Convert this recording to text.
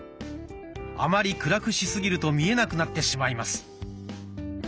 あまり暗くしすぎると見えなくなってしまいます。